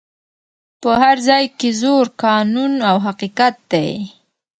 په هر ځای کي زور قانون او حقیقت دی